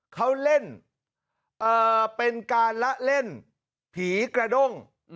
เขาเล่นเป็นการละเล่นผีกระด้ง